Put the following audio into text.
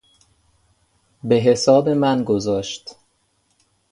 بحساب من گذاشت